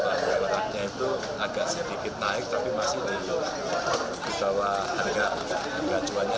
bahan lebarannya itu agak sedikit naik tapi masih di bawah harga gacuannya